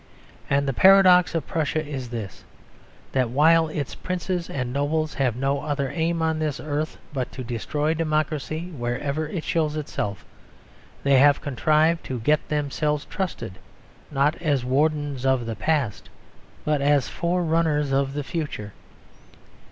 And the paradox of Prussia is this: that while its princes and nobles have no other aim on this earth but to destroy democracy wherever it shows itself, they have contrived to get themselves trusted, not as wardens of the past but as forerunners of the future.